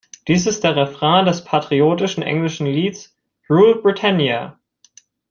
Dies ist der Refrain des patriotischen englischen Lieds "Rule, Britannia!